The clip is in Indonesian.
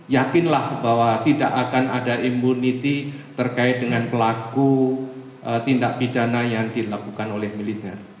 yakinlah bahwa tidak akan ada immunity terkait dengan pelaku tindak pidana yang dilakukan oleh militer